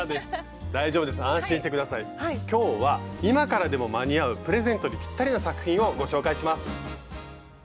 今日は今からでも間に合うプレゼントにぴったりな作品をご紹介します。